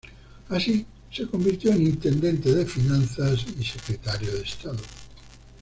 Así, se convirtió en intendente de finanzas y secretario de Estado.